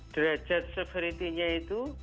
derajat severity nya itu